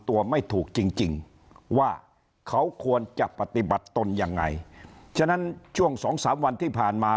ว่าเขาควรจะปฏิบัติต้นยังไงฉะนั้นช่วงสองสามวันที่ผ่านมา